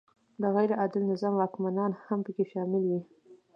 د غیر عادل نظام واکمنان هم پکې شامل وي.